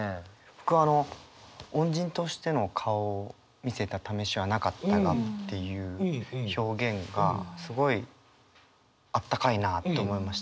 僕あの「恩人としての顔を見せたためしはなかったが」っていう表現がすごいあったかいなと思いましたね。